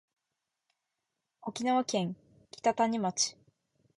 沖縄県北谷町